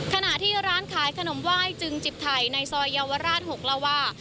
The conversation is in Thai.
ขณะที่ร้านขายขนมไหว้จึงจิบไถ่ในซอยเยาวราช๖เล่าว่า